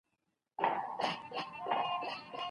سیاستوال کله د پناه غوښتونکو حقونه پیژني؟